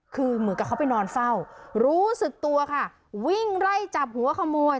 คือเหมือนกับเขาไปนอนเฝ้ารู้สึกตัวค่ะวิ่งไล่จับหัวขโมย